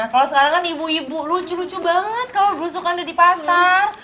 kalau sekarang kan ibu ibu lucu lucu banget kalau dulu suka ada di pasar